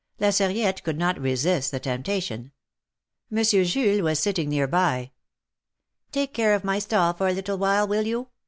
'^ La Sarriette could not resist the temptation. Mon sieur Jules was sitting near by. '' Take care of my stall for a little while, will you